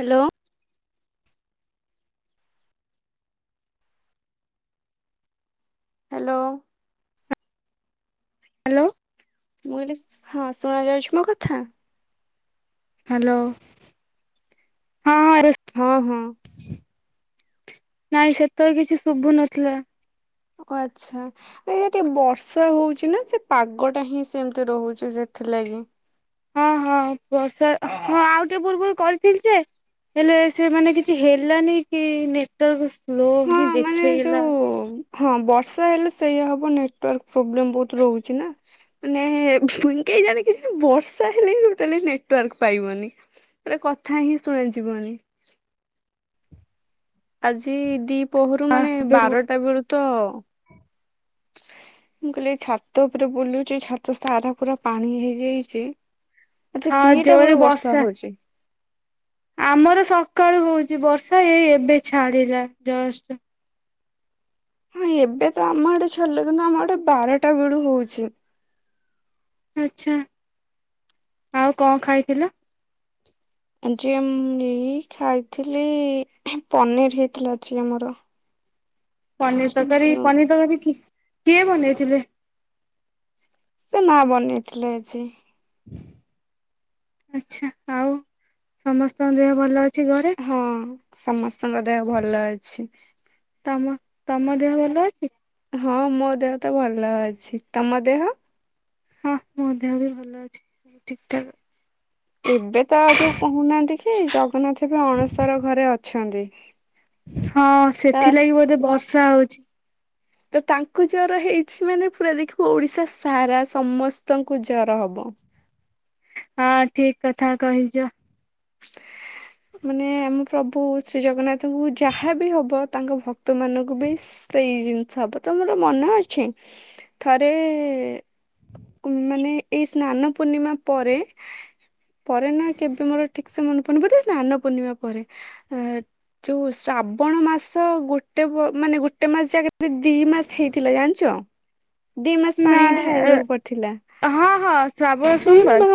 Hello. Hello. Hello. ମୁଁ କହିଲି ହଁ ଶୁଣା ଯାଉଛି ମୋ କଥା। ହାଲୋ ହଁ ହଁ ରେସ ହଁ ହଁ। ନାଇଁ ସେତବେଳେ କିଛି ଶୁଭୁ ନଥିଲା। ଓ ଆଚ୍ଛା। ଟିକେ ବର୍ଷା ହଉଛି ନା ସେ ପାଗ ଟା ହିଁ ସେମତି ରହୁଛି ସେଥିଲାଗି। ହଁ ହଁ ବର୍ଷା ହଁ ଆଉ ଟିକେ ପୂର୍ବରୁ କରିଥିଲି ଯେ ହେଲେ ସେମାନେ କିଛି ହେଲାନି କି ନେଟୱାର୍ ସ୍ଲୋ ହଁ ହିଁ ମାନେ ଯୋଉ ଦେଖେଇଲା! ହଁ ବର୍ଷା ହେଲେ ସେଇୟା ହବ ନେଟୱାର୍କ ପ୍ରୋବ୍ଲେମ ବହୁତ ରହୁଛି ନା। ମାନେ କେଜାଣି ବର୍ଷା ହେଲେ ଟୋଟାଲି ନେଟୱର୍କ ପାଇବନି। ଗୋଟେ କଥା ହିଁ ଶୁଣାଯିବନି। ଆଜି ଦିପହରୁ ମାନେ ବାରଟା ବେଳୁ ତ ମୁଁ କହିଲି ଛାତ ଉପରେ ବୁଲୁଛି ଛାତ ସାରା ପୁରା ପାଣି ହେଇଯାଇଛି। ଆଜି ହଁ ଦିଟା ଜୋରେ ବେଳୁ ବର୍ଷା ହଉଛି। ଆମର ସକାଳୁ ହଉଚି ବର୍ଷା ଏଇ ଏବେ ଛାଡିଲା ଜଷ୍ଟ। ହଁ ଏବେ ତ ଆମ ଆଡେ ଛାଡିଲା କିନ୍ତୁ ଆମ ଆଡେ ବାରଟା ବେଳୁ ହଉଛି। ଆଚ୍ଛା ଆଉ କଣ ଖାଇଥିଲ? ଆଜି ମଁ ଏଇ ଖାଇଥିଲି ପନିର ହେଇଥିଲା ଆଜି ଆମର। ପନିର ତରକାରୀ ପନିର ତରକାରୀ କି କିଏ ବନେଇଥିଲେ? ସେ ମା ବନେଇଥିଲେ ଆଜି। ଆଛା ଆଉ ସମସ୍ତଙ୍କ ଦେହ ଭଲ ଅ ହଁ ସମସ୍ତଙ୍କ ଦେହ ଭଲ ଅଛି। ତମ ତମ ଦେହ ଭଲ ଅଛି? ହଁ ମୋ ଦେହ ତ ଭଲ ଅଛି ତମ ଦେହ? ହଁ ମୋ ଦେହ ବି ଭଲ ଅଛି ସବୁ ଠିକଠାକ ଏବେ ତ ଆଉ ଯୋଉ କୋହୁନାହାନ୍ତି କି ଜଗନ୍ନାଥ ଏବେ ଅଣସର ଘରେ ଅଛନ୍ତି ହଁ ସେଥିଲାଗି ବୋଧେ ବର୍ଷା ହୋଉଚି। ତ ତାଙ୍କୁ ଜର ହେଇଚି ମାନେ ପୁରା ଦେଖିବୁ ଓଡିଶା ସାରା ସମସ୍ତଙ୍କୁ ଜର ହବ। ହଁ ଠିକ କଥା କହିଚ। ମାନେ ଆମ ପ୍ରଭୁ ଶ୍ରୀ ଜଗନ୍ନାଥଙ୍କୁ ଯାହାବି ହବ ତାଙ୍କ ଭକ୍ ତମାନଙ୍କୁ ବି ସେଇ ଜିନଷ ହବ ତମର ମନେ ଅଛି ଥରେ ଉଁ ମାନେ ଏଇ ସ୍ନାନ ପୂର୍ଣ୍ଣିମା ପରେ ପରେ ନା କେବେ ମୋର ଠିକ ସେ ମନେ ପଡୁନି ବଧେ ସ୍ନାନ ପୂର୍ଣ୍ଣିମା ପରେ ଆ ଯୋଉଁ ଶ୍ରାବଣ ମାସ ଗୋଟେ ପ ମାନେ ଗୋଟେ ମାସ ଯା କେତେ ଦିଇ ମାସ ହେଇଥିଲା ଜାଣିଚ? ହ [unintelligible] ଦିଇ ମାସ ନା ପାଣି ଢାଳିବାକୁ ପଡଥିଲା ହଁ ହଁ ଶ୍ରାବଣ ସୋମବାର ଏମା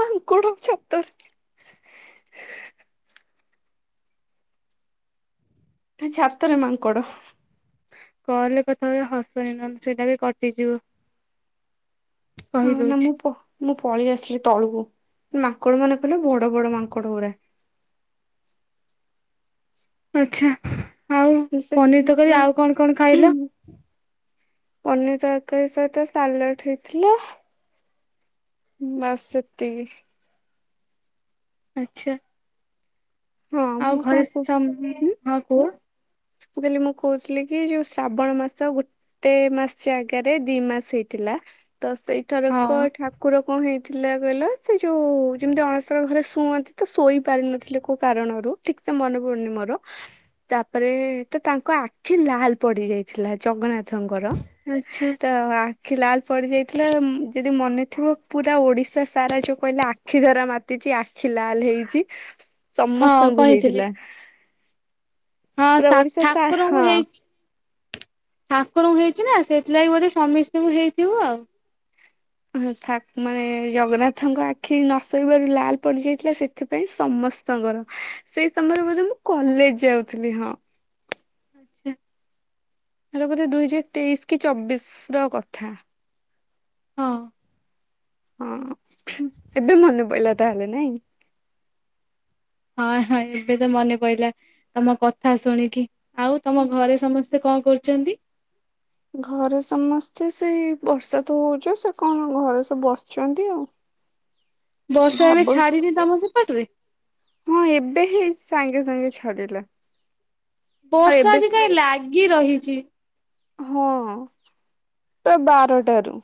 ମା ଙ୍କଡ ଛାତରେ ଛାତରେ ମାଙ୍କଡ। କଲରେ କଥା ବେଳେ ହସନି ନହଲେ ସେଇଟା ବି କଟିଯିବ। ଅଁ ନା କହିଦଉଛି ମୁଁ ପ ମୁଁ ପଳିଆସିଲି ତଳକୁ ମାଙ୍କଡମାନେ ଥିଲେ ବଡ ବଡ ମାଙ୍କଡଗୁରା। ଆଚ୍ଛା ଆଉ ସେ ପନିର ତରକାରୀ ସେମାନେ ଆଉ କଣ କଣ ଖାଇଲ? ପନିର ତରକାରୀ ସହିତ ସାଲାଡ ହେଇଥିଲା। ବାସ୍ ସେତିକି। ଆଚ୍ଛା। ହଁ ଆଉ ମୁଁ କଣ ଘରେ କହୁ ସମ୍ ଉଁ ହଁ କୁହ। ମୁଁ କହିଲି ମୁଁ କୋହୁଥୁଲି କି ଯୋଉ ଶ୍ରାବଣ ମାସ ଗୋ ଟେ ମାସିଆ ଆଗାରେ ଦି ମାସ ହେଇଥିଲା ତ ହଁ ସେଇଥରକ ଠାକୁର କଣ ହେଇ ଥିଲା କହିଲ ସେଇ ଯୋଉ ଯେମିତି ଅଣସର ଘରେ ଶୁଅନ୍ତି ତ ଶୋଇ ପାରିିନଥିଲେ କୋଉ କାରଣରୁ। ଠିକସେ ମନେ ପଡୁନି ମୋର ପରେ ତ ତାଙ୍କ ଆଖି ଲାଲ ପଡି ଯାଇଥିଲା ଜଗନ୍ନା ଥଙ୍କର ଆଚ୍ଛା ତ ଆ ଖି ଲାଲ ପଡି ଯାଇଥିଲା ଉଁମ୍ ଯଦି ମନେଥିବ ପୁରା ଓଡିଶା ସାରା ଯୋଉ କହିଲେ ଆ ଆଖି ଧରା ମାତିଚି ଆଖି ଲାଲ ହେଇଚି ହଁ ସମସ୍ତଙ୍କୁ କହିଥିଲି ହେଇଥିଲା। ହଁ ପୁରା ସା ଓଡିଶା ଠାକୁରଙ୍କୁ ହଁ ହେଇ ଠାକୁରଙ୍କୁ ହେଇଚି ନା ସେଇଥିଲାଗି ବୋଧେ ସମିସ୍ତିଙ୍କୁ ହେଇଥିବୁ ଆଉ। ହଁ ଠାକ୍ ମାନେ ଜଗନ୍ନାଥଙ୍କ ଆଖି ନଶୋଇବାରୁ ଲାଲ ପଡିଯାଇଥିଲା ସେ ଏଥିପାଇଁ ସମସ୍ତଙ୍କର ସେଇ ସମୟରେ ବୋଧେ ମୁଁ କଲେଜ ଯାଉଥୁଲି ହଁ। ଆଚ୍ଛା। ଏରା ବୋଧେ ଦୁଇ ହଜାର ତେଇଶି କି ଚବିଶର କଥା। ହଁ। ହଁ ଏବେ ମନେ ପଇଲା ତାହେଲେ ନାଇଁ। ହଁ ହଁ ଏବେ ତ ମନେ ପଇଲା ତମ କଥା ଶୁଣିକି ଆଉ ତମ ଘରେ ସମସ୍ ତେ କଣ କରୁଚନ୍ତି? ଘରେ ସମସ୍ତେ ସେଇ ବର୍ଷା ତ ହୋଉଚି ଆଉ ସେ କଣ ଘରେ ସବୁ ବସିଚନ୍ତି ଆଉ। ବର୍ଷା ଏବେ ଭାବୁଛି ଛାଡିନି ତମ ସେପଟରେ? ହଁ ଏବେ ହିଁ ସାଙ୍ଗେ ସାଙ୍ଗେ ଛାଡିଲା। ଆଉ ବର୍ଷା ଏବେ ଆଜି କାଇଁ ଲାଗି ରହିଚି। ହଁ ପ୍ରାୟ ବାରଟାରୁ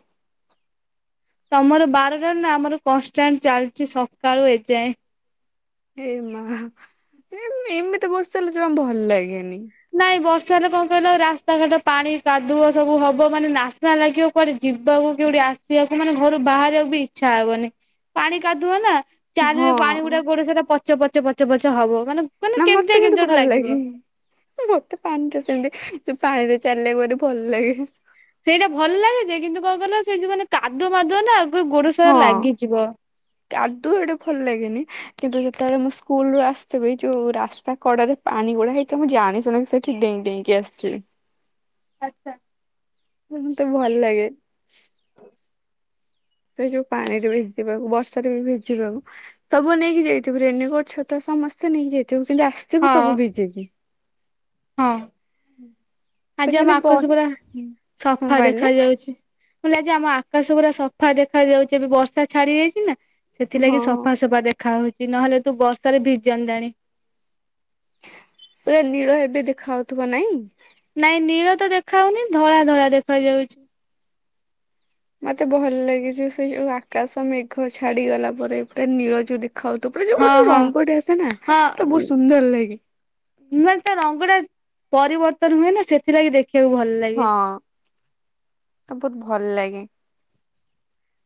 ତମର ବାରଟାରୁ ନା ଆମର କଁଷ୍ଟାଣ୍ଟ ଚାଲଚି ସକାଳୁ ଏଯାଏଁ। ଏ ମାଆ ନାଇଁ କଣ ଏମିତି ବର୍ଷା ହେଲେ ଜମା ଭଲ ଲାଗେନି। ନାଇଁ ବର୍ଷା ହେଲେ କଣ କହିଲା ରାସ୍ତାଘାଟ ପାଣି କାଦୁଅ ସବୁ ହବ ମାନେ ନାସ୍ନା ଲାଗିବ। କୁଆଡେ ଯିବାକୁ କେଉଠି ଆସିବାକୁ ମାନେ ଘରୁ ବାହାରିବାକୁ ବି ଇଚ୍ଛା ହବନି। ପାଣି କାଦୁଅ ନା। ହଁ ଚାରିଆଡେ ପାଣି ଗୁଡା ଗୋଡ ସେଟା ପଚ ପଚ ପଚ ପଚ ହବ ମାନେ ମାନେ ନା କେମିତିଆ ମତେ କିନ୍ତୁ କେମିତିଆ ଗୋଟେ ଭଲ ଲାଗିବ। ଲାଗେନି। ମତେ ପାଣିରେ ସେମିତି ପାଣିରେ ଚାଲିଲ ଭଲ ଲାଗେ। ସେଇଟା ଭଲ ଲାଗେ ଯେ କିନ୍ତୁ କଣ କହିଲ ସେଇ ଯଉ ମାନେ କାଦୁଅ ମାଦୁଅ ନା ଆଉ ଗୋଡ ସାରା ହଁ ଲାଗିଯିବ। କାଦୁଅ ଗୁଡା ଭଲ ଲାଗେନି କିନ୍ତୁ ଯେତେବେଳେ ମୁଁ ସ୍କୁଲ ରୁ ଆସିଥିବି ଯୋଉ ରାସ୍ତା କଡାରେ ପାଣି ଗୁଡା ହେଇଛି ତ ମୁଁ ଜାଣିିଶୁଣି ସେଠି ଡେଇଁ ଡେଇଁ କି ଆସୁଥିବି। ଆଚ୍ଛା। ମତେ ତ ଭଲ ଲାଗେ। ହଉ ସେ ଯୋଉ ପାଣି ରେ ଭିଜିବାକୁ ବର୍ଷାରେ ବି ଭିଜିବାକୁ। ସବୁ ନେଇକି ଯାଇଥିବୁ ରେନିକୋଟ ଛତା ସମସ୍ତେ ନେଇକି ଯାଇଥିବୁ କିନ୍ତୁ ଆସିଥିବୁ ହଁ ସବୁ ଭିଜିକି। ହଁ ତ ଆଜି ଖାଲି ଆମ ବ ଆକାଶ ପୁରା ହଁ ସଫା କହିଲେ ଦେଖା ଯାଉଛି। ମୁଁ କହିଲି ଯେ ଆମ ଆକାଶ ପୁରା ସଫା ଦେଖା ଯାଉଛି ଏବେ ବର୍ଷା ଛାଡି ଯାଇଛି ନା। ହଁ ସେଥିଲାଗି ସଫା ସଫା ଦେଖା ହଉଛି ନହେଲେ ତୁ ବର୍ଷାରେ ଭିଜନ୍ତାଣି। ପୁରା ନୀଳ ଏବେ ଦେଖା ହଉଥିବ ନାଇଁ। ନାଇଁ ନୀଳ ତ ଦେଖାହଉନି ଧଳା ଧଳା ଦେଖା ଯାଉଛି। ମତେ ଭଲ ଲାଗେ ସେ ସେଉ ଆକାଶ ମେଘ ଛାଡିଗଲା ପରେ ପୁରା ନୀଳ ଯୋଉ ଦେଖା ଖାଉଥିବ ପୁରା ଯୋଉ ହଁ ଗୋଟେ ହଁ ରଙ୍ଗଟେ ଆସେ ନା ହଁ ଟା ବହୁତ ସୁନ୍ଦର ଲାଗେ। ମାନେ ତା ରଙ୍ଗ ଟା ପରିବର୍ତ୍ତନ ହୁଏ ନା ସେଥିଲାଗି ଦେଖିବାକୁ ଭଲ ଲା ହଁ ଆଉ ବହୁତ ଭଲ ଲାଗେ।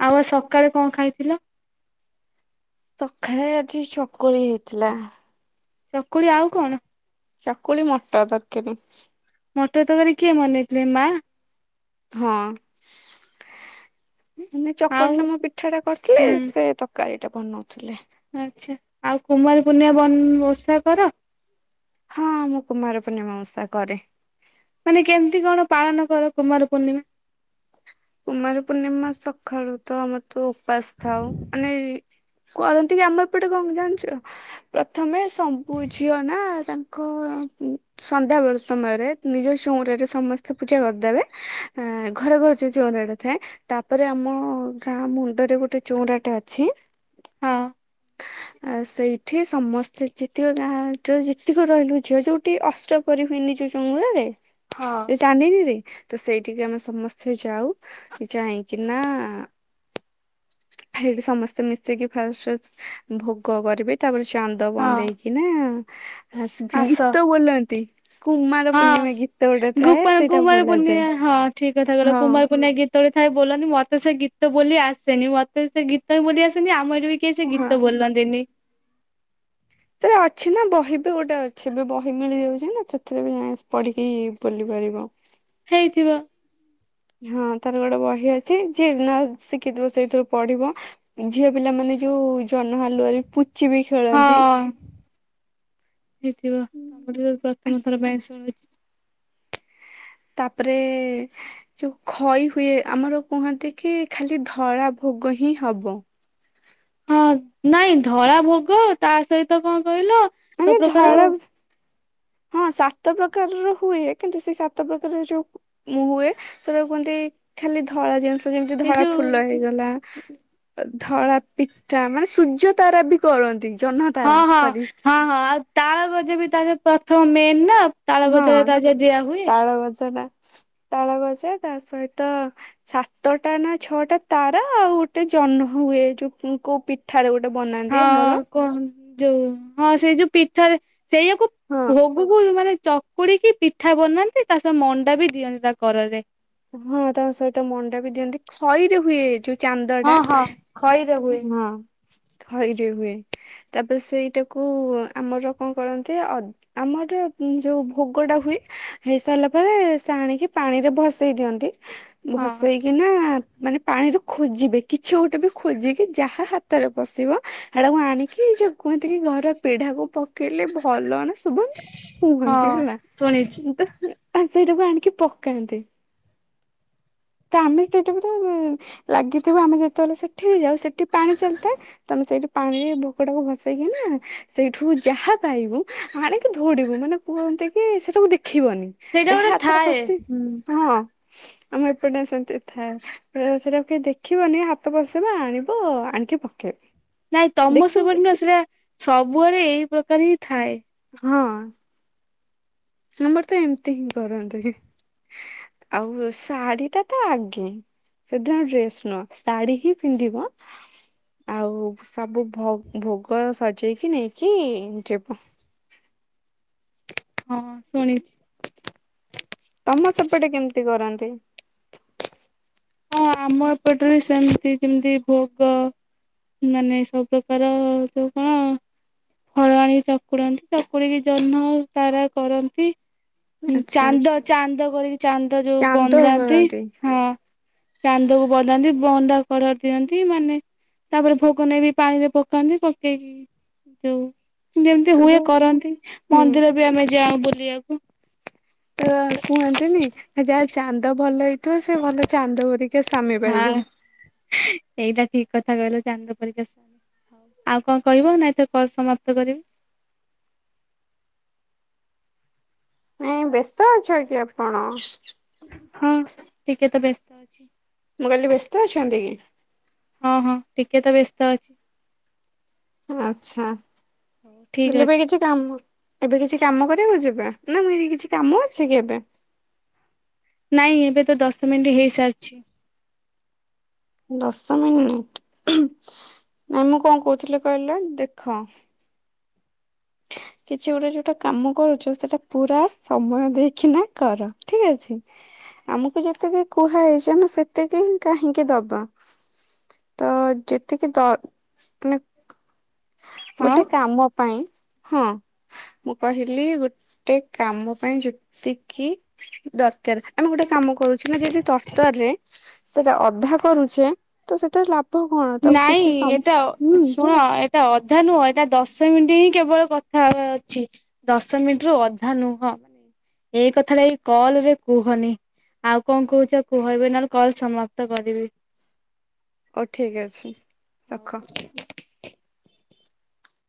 ଆଉ ସକାଳେ କଣ ଖାଇଥିଲ? ସଖାଳେ ଆଜି ଚକୁଳି ହେଇଥିଲା। ଚକୁଳି ଆଉ କଣ? ଚାକୁଳି ମଟର ତରକାରୀ। ମଟର ତରକାରୀ କିଏ ବନେଇଥିଲେ ମା? ହଁ ମାନେ ଆଉ ଚକୁଳି ଟା ମୁଁ ପିଠା ଟା କରିଥିଲି ହୁଁ ସେ ତ କାରୀଟା ବନଉଥିଲେ। ଆଚ୍ଛା ଆଉ କୁମାରୀ ପୂର୍ଣ୍ଣିମା ବନ୍ ଓଷା କର। ହଁ ମୁଁ କୁମାର ପୂର୍ଣ୍ଣିମା ଓଷା କରେ। ମାନେ କେମିତି କଣ ପାଳନ କର କୁମାର ପୂର୍ଣ୍ଣିମା? କୁମାର ପୂର୍ଣିମା ସଖାଳୁ ତ ଆମର ତ ଉପାସ ଥାଉ ମାନେ ଇ କରନ୍ତି କି ଆମ ଏପଟେ କଣ ହୁଏ ଜାଣିଛ? ପ୍ରଥମେ ସମ୍ପୁ ଝିଅ ନା ତାଙ୍କ ସନ୍ଧ୍ୟାବେଳ ସମୟରେ ନିଜ ଚଉଁରାରେ ସମସ୍ତେ ପୂଜା କରିଦେବେ ଆ ଘରେ ଘରେ ଯି ଚଉଁରାଟା ଥାଏ ତାପରେ ଆମ ଗାଁ ମୁଣ୍ଡରେ ଗୋଟେ ଚଉଁରାଟେ ଅଛି। ହଁ। ଆ ସେଇଠି ସମସ୍ତେ ଯେତିକ ଗାଁ ଠ ଯେତିକି ରହିଲୁ ଝିଅ ଯୋଉଠି ଅଷ୍ଟ କରିହୁଏନି ଯୋଉ ଚଉଁରାରେ ହଁ। ଏଇ ଚାନ୍ଦିନିରେ ତ ସେଇଠିକି ଆମେ ସମସ୍ତେ ଯାଉ ଜାହିଁକିନା ହେଇଠି ସମସ୍ତେ ମିଶିକି ଫାଷ୍ଟ ଭୋଗ କରିବି। ତାପରେ ଚାନ୍ଦ ହଁ ବନ୍ଧେଇକି ନା ଆସ ଗୀତ ବୋଲନ୍ତି। କୁମାର ପୂର୍ଣ୍ଣିମା ହଁ ଗୀତ ଗୋଟେ ଗୁପା ଥାଏ ସେଇଟା କୁମାର ବୋଲାଯାଏ। ପୂର୍ଣ୍ଣିମା ହଁ ଠିକ କଥା କହିଲ ହଁ କୁମାର ପୁନେଇଁ ଗି ହେତବେଳେ ଥାଏ ବୋଲନ୍ତି ମତେ ସେ ଗୀତ ବୋଲି ଆସେନି ମତେ ସେ ଗୀତ ବି ବୋଲି ଆସେନି ଆମରଏଯୋଉ ବି କିଏ ସେ ଗୀତ ହଁ ବୋଲନ୍ତିନି? ସେତେଏଳେ ଅଛି ନା ବହି ବି ଗୋଟେ ଅଛି ବି ବହି ମିଳିଯାଉଛି ନା ସେଥିରେ ବି ଯଣେ ପଢିକି ବୁଲି ପାରିବ। ହେଇଥିବ। ହଁ ତାର ଗୋଟେ ବହି ଅଛି ଯିଏ ନ ଶିଖିଥିବ ସେଇଥିରୁ ପଢିବ। ଝିଅ ପିଲା ମାନେ ଯୋଉ ଜହ୍ନ ହଲୁଆରେ ପୁଚି ବି ଖେଳନ୍ତି। ହଁ ହେଇଥିବ ତମ ଠାରୁ ପ୍ରଥମ ଥର ପାଇଁ ଶୁଣି ତାପରେ ଯଉ ଖଇ ହୁଏ ଆମର କୁହନ୍ତି କି ଖାଲି ଧଳା ଭୋଗ ହିଁ ହବ। ହଁ ନାଇଁ ଧଳା ଭୋଗ ତା ସହିତ କଣ କହିଲ ନାଇଁ ସବୁ ପ୍ରକାର ଧଳା ହଁ ସାତ ପ୍ରକାରର ହୁଏ କିନ୍ତୁ ସେ ସାତ ପ୍ରକାରରେ ଯୋଉ ମୁଁ ହୁଏ ସେଟାକୁ କୁହନ୍ତି ଖାଲି ଧଳା ଜିନିଷ ଯେମିତି ଏଇ ଧଳା ଫୁଲ ଯୋଉ ହେଇଗଲା। ତ ଧଳା ପିତା ମାନେ ସୂର୍ଯ୍ୟ ତାରା ବି କରନ୍ତି। ଜହ୍ନ ହଁ ତାରା ହଁ ସରି ହଁ ହଁ ଆଉ ତାଳ ଗଜ ବି ତା ପ୍ରଥମ ମେନ୍ ନା। ତାଳ ହଁ ଗଜାରେ ତା ଯ ଦିଆ ହୁଏ। ତାଳ ଗଜାଟା ତାଳ ଗଜା ତା ସହିତ ସାତଟା ନା ଛଅଟା ତାରା ଆଉ ଗୋଟେ ଜହ୍ନ ହୁଏ ଯୋଉ କୋଉ ପି ଠାରେ ଗୋଟେ ବନାନ୍ତି ଆମର। ହଁ କଣ ଯୋଉ ହଁ ସେଇ ଯୋଉ ପିଠା ରେ ସେଇଆକୁ ହଁ ଭୋ ଗୁ କୁ ମାନେ ଚକୁଡିକି ପିଠା ବନାନ୍ତି ତା ସହ ମଣ୍ଡା ବି ଦିଅନ୍ତି ତା କରରେ। ହଁ ତା ସହିତ ମଣ୍ଡା ବି ଦିଅନ୍ତି ଖଇରେ ହୁଏ ଯୋଉ ଚାନ୍ଦ ଟା ହଁ ହଁ ଖଇରେ ହୁଏ। ହଁ ଖଇରେ ହୁଏ। ତାପ୍ରେ ସେଇଟାକୁ ଆମର କଣ କରନ୍ତି ଅ ଆମର ଯୋଉ ଭୋଗୋ ଟା ହୁଏ ହେଇ ସାର୍ଲା ପରେ ସେ ଆଣିକି ପାଣି ରେ ଭସ୍ ସେଇ ଦିଅନ୍ତି, ହଁ ଭସେଇକି ନା ମାନେ ପାଣିରୁ ଖୋଜିବେ କିଛି ଗୋଟେ ବି ଖୋଜିକି ଯାହା ହାତରେ ବସିବ ହେଟାକୁ ଆଣିକି ଏଇ ଯୋଉ କୁହନ୍ତି କି ଘର ପେଢାକୁ ପକେଇଲେ ଭଲ ନା। ଶୁଭ ହଁ କୁହନ୍ତି ହେଲା ଶୁଣିଛି ତ ସେଇଟାକୁ ଆଣିକି ପକାନ୍ତି। ତ ଆମେ [unintelligible] ଲାଗିଥିବୁ ଆମେ ଯେତେବେଳେ ସେଠି ଯାଉ ସେଠି ପାଣି ଚାଲ୍ଥାଏ। ତମେ ସେଇଠି ପାଣିରେ ଭୋକ ଟାକୁ ଭସେଇକି ନା ସେଇଠୁ ଯାହା ପାଇବୁ ଆଣିକି ଧୌଡିବୁ ମାନେ କୁହନ୍ତି କି ସେଟାକୁ ଦେଖିବନି। ଯାହା ହାତରେ ପସ୍ଚି ହୁଁ। ହଁ। ଆମ ଏପଟେ ସେମ୍ତି ଥାଏ ସେଟାକୁ କେହି ଦେଖିବନି ହାତ ପସେଇବା ଆଣିବ ଆଣିକି ପ କେଇବ। ନାଇଁ ତମ ସେପଟେ ନୁଅଁ ସେଇଟା ସବୁଆରେ ଏଇ ପ୍ରକାର ହିଁ ଥାଏ। ହଁ। ଆମର ତ ଏମ୍ତି ହିଁ କରନ୍ତି ଆଉ ଶାଢୀ ଟା ତ ଆଗେ। ସେଦିନ ଡ୍ରେସ୍ ନୁହଁ ଶାଢୀ ହିଁ ପିନ୍ଧିବ। ଆଉ ସବୁ ଭ ଭୋଗ ସଜେଇକି ନେଇକି ଯିବ। ହଁ ଶୁଣି ତମ ସେପଟେ କେମ୍ତି କରନ୍ତି। ହଁ ଆମ ଏପଟ୍ରେ ସେମ୍ତି ଯେମ୍ତି ଭୋଗ। ମାନେ ସବୁ ପ୍ରକାର ଯୋଉ କଣ। ହଳ ଆଣିକି ଚକୁଡନ୍ତି ଚକୁଡିକି ଜହ୍ନ ତାରା କରନ୍ତି। ଆଚ୍ଛା। ଚାନ୍ଦ ଚାନ୍ଦ କରିକି ଚାନ୍ଦ ଯୋଉ ଚାନ୍ଦ ବନ୍ଦାନ୍ତି କରନ୍ତି ହଁ। ଚାନ୍ଦକୁ ବନାନ୍ତି ବଣ୍ଡା କର ଦିଅନ୍ତି ମାନେ। ତାପ୍ରେ ଭୋଗ ନେଇବି ପାଣିରେ ପକାନ୍ତି ପକେଇକି ଯୋଉ। ଯେମ୍ତି ହୁଏ ସବୁ କରନ୍ତି ହୁଁ ମନ୍ଦିର ବି ଆମେ ଯାଉ ବୁଲିବାକୁ। ତ କୁହନ୍ତିନି ଯାହା ଚାନ୍ଦ ଭଲ ହେଇ ଥିବ ସେ ଭଲ ଚାନ୍ଦ ପରିକା ସାମି ହଁ ପାଇବ। ଏଇଟା ଠିକ୍ କଥା କହିଲ ଚାନ୍ଦ ପରୀକା ସ୍ ଆଉ କଣ କହିବ ନା ଏଇଥର କଲ୍ ସମାପ୍ତ କରିବି। ନାଇଁ ବ୍ୟସ୍ତ ଅଛ କି ଆପଣ। ହଁ ଟିକେ ତ ବ୍ୟସ୍ତ ଅଛି। ମୁଁ କଇଲିି ବ୍ୟସ୍ତ ଅଛନ୍ତି କି। ହଁ ହଁ ଟିକେ ତ ବ୍ୟସ୍ତ ଅଛି। ଆଛା ହଉ ଠିକ୍ ବିଲ ପାଇଁ ଅଛି କିଛି। କ ଏବେ କିଛି କାମ କରିବା ଯିବେ ନାଁ ମୁକଇଲି କିଛି କାମ ଅଛି କି ଏବେ। ନାଇଁ ଏବେ ତ ଦଶ ମିନିଟ୍ ହେଇସାରିଛି। ଦଶ ମିନିଟ୍ ଆମେ କଣ କହୁଥିଲି କହିଲ ଦେଖ [inaudible] କିଛି ଗୋଟେ ଯୋଉଟା କାମ କରୁଛ ସେଟା ପୁରା ସମୟ ଦେଇକିନା କର ଠିକ୍ ଅଛି। ଆମକୁ ଯେତିକି କୁହା ହେଇଛି ଆମେ ସେତିକି କାହିଁକି ଦବା। ତ ଯେତିକି ଦ ମାନେ ହଁ ଗୋଟେ କାମ ପାଇଁ ହଁ। ମୁଁ କହିଲି ଗୋଟେ କାମ ପାଇଁ ଯେତିକି ଦରକାର ଆମେ ଗୋଟେ କାମ କରୁଛେ ନା ଯଦି ତରତରରେ ସେଟା ଅଧା କରୁଛେ ତ ସେଟା ଲା ନାଇଁ ଏଟା ଶୁଣ ଏ ଏଟା ଅଧା ନୁହଁ ଏଇଟା ଦଶ ମିନିଟ୍ ହିଁ କେବଳ କଥା ହବାର ଅଛି। ଦଶ ମିନିଟ୍ ରୁ ଅଧା ନୁହଁ ଏଇ କଥାଟା ଏଇ କଲ୍ ରେ କୁହନି। ଆଉ କଣ କହୁଛ କୁହ ଏବେ ନହେଲେ କଲ୍ ସମାପ୍ତ କରିବି। ହଉ ଠିକ୍ ଅଛି। ହଉ। ରଖ।